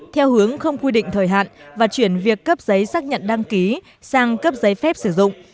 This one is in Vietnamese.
theo hướng không quy định thời hạn và chuyển việc cấp giấy xác nhận đăng ký sang cấp giấy phép sử dụng